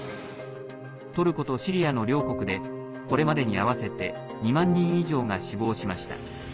トルコとシリアの両国でこれまでに、合わせて２万人以上が死亡しました。